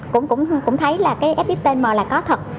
cũng thấy là cái fxtm là có thật